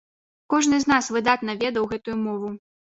Кожны з нас выдатна ведаў гэтую мову.